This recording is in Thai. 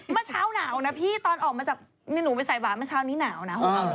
เมื่อเช้าหนาวนะพี่ตอนออกมาจากนี่หนูไปใส่บาทเมื่อเช้านี้หนาวนะ